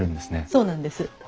そうなんです。